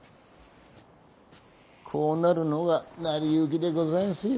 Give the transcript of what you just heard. こうなるのが成り行きでござんすよ。